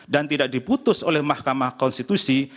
dan tidak diputus oleh mahkamah konstitusi